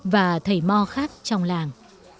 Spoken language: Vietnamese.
và thầy mo khác trong làng